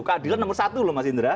keadilan nomor satu loh mas indra